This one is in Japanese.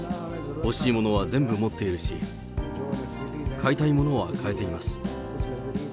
欲しいものは全部持っているし、買いたいものは買えています。